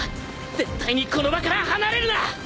絶対にこの場から離れるな！